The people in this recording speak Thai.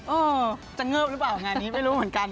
เออจะเงิบหรือเปล่างานนี้ไม่รู้เหมือนกัน